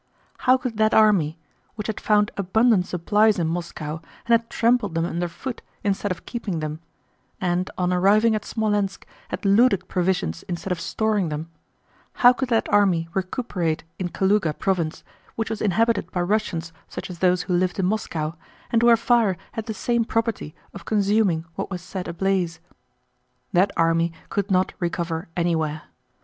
How could that army—which had found abundant supplies in Moscow and had trampled them underfoot instead of keeping them, and on arriving at Smolénsk had looted provisions instead of storing them—how could that army recuperate in Kalúga province, which was inhabited by Russians such as those who lived in Moscow, and where fire had the same property of consuming what was set ablaze? That army could not recover anywhere.